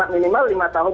lima minimal lima tahun